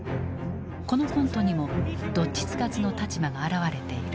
このコントにもどっちつかずの立場が表れている。